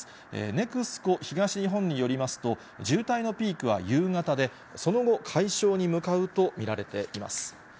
ＮＥＸＣＯ東日本によりますと、渋滞のピークは夕方で、その後、解消に向かうと見られています。